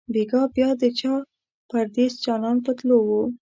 بیګا بیا د چا پردېس جانان په تلو وو